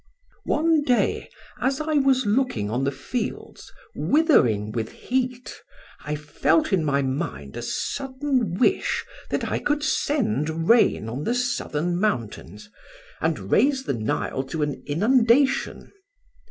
"'One day as I was looking on the fields withering with heat, I felt in my mind a sudden wish that I could send rain on the southern mountains, and raise the Nile to an inundation.